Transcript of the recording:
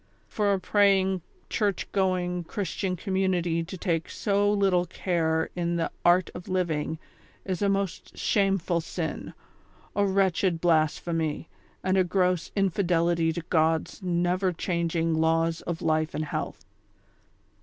for a prajing, church going, Christian community to take so little care in the " art of living " is a most shame ful sin, a wretched blasphemy, and a gross infidelity to God's never changing laws of life and health.